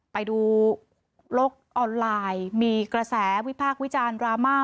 ไปดูโลกออนไลน์มีกระแสวิพากษ์วิจารณ์ดราม่า